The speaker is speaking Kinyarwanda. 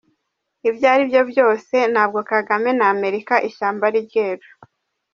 Ibyo aribyo byose Ntabwo Kagame na Amerika ishyamba ari ryeru.